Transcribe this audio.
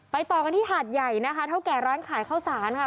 ต่อกันที่หาดใหญ่นะคะเท่าแก่ร้านขายข้าวสารค่ะ